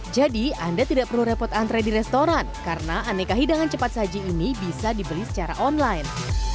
jadi anda tidak perlu repot antre di restoran karena aneka hidangan cepat saji ini bisa dibeli secara online